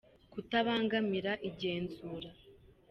Kutabangamira igenzura